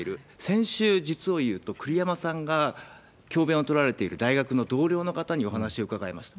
先週、実をいうと栗山さんが教べんをとられている、大学の同僚の方にお話を伺いました。